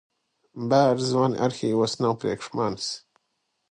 Bēru zvani arhīvos nav priekš manis.